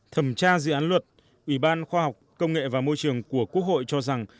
thẩm tra dự án luật ủy ban khoa học công nghệ và môi trường của quốc hội cho rằng